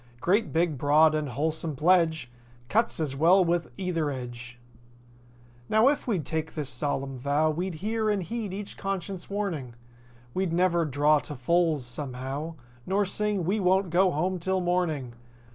Great big, broad and wholesome pledge! "Cuts as well with either edge." Now, if we'd take this solemn vow We'd hear and heed each conscience warning. We'd never "draw to fulls," somehow. Nor sing "We won't go home 'till morning."